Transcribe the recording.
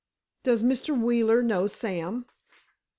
"Does Mr. Wheeler know Sam?"